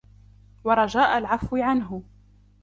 وَرَجَاءَ الْعَفْوِ عَنْهُ